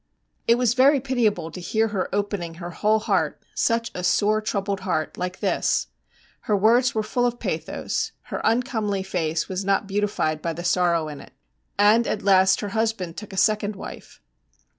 It was very pitiable to hear her opening her whole heart, such a sore troubled heart, like this. Her words were full of pathos; her uncomely face was not beautified by the sorrow in it. And at last her husband took a second wife.